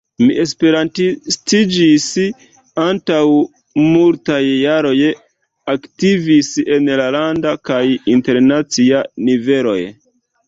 Mi esperantistiĝis antaŭ multaj jaroj, aktivis en la landa kaj internacia niveloj.